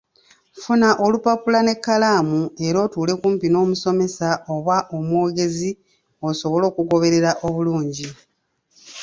Funa olupapula n’ekkalaamu era otuule kumpi n’omusomesa oba omwogezi osobole okugoberera obulungi. .